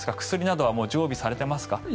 薬などは常備されていますか？